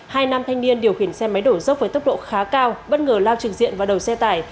hai nam thanh niên điều khiển xe máy đổ dốc với tốc độ khá cao bất ngờ lao trực diện vào đầu xe tải